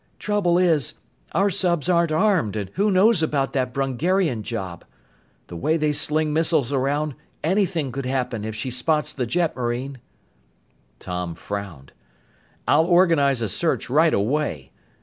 "Trouble is, our subs aren't armed, and who knows about that Brungarian job? The way they sling missiles around, anything could happen if she spots the jetmarine." Tom frowned. "I'll organize a search right away.